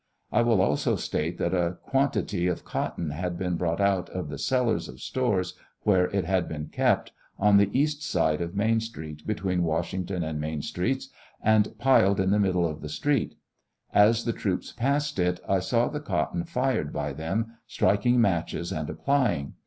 I will also state that a quantity of cotton had been brought out of the cellars of stores, where it had been kept, on the east side of Main street, between Washington and Main streets, and piled in the middle of the stl eet. As the troops passed it, I saw the cotton fired by them striking matches and applying.